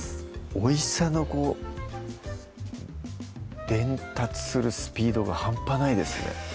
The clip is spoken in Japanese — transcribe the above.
おいしさのこう伝達するスピードが半端ないですね